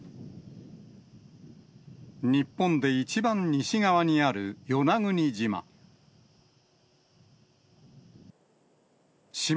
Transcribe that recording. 日本で一番西側にある与那国島。